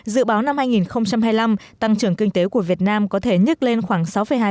dự báo năm hai nghìn hai mươi năm tăng trưởng kinh tế của việt nam có thể nhức lên khoảng sáu hai